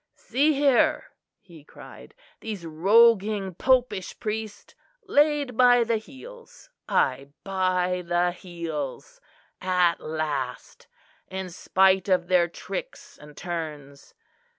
"See here," he cried, "these rogueing popish priests, laid by the heels aye, by the heels at last; in spite of their tricks and turns.